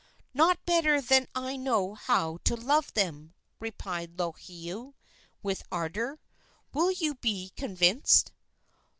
"Not better than I know how to love them," replied Lohiau, with ardor. "Will you be convinced?"